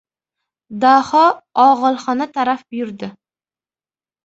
Daho og‘ilxona taraf yurdi.